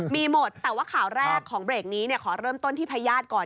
มีหมดแต่ว่าข่าวแรกของเบรกนี้ขอเริ่มต้นที่พญาติก่อน